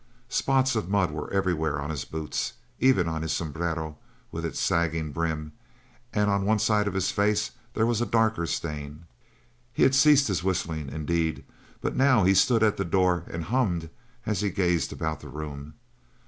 Spots of mud were everywhere on his boots, even on his sombrero with its sagging brim, and on one side of his face there was a darker stain. He had ceased his whistling, indeed, but now he stood at the door and hummed as he gazed about the room.